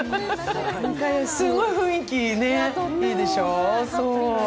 すんごい雰囲気いいでしょ。